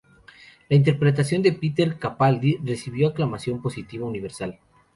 La interpretación de Peter Capaldi recibió aclamación positiva universal.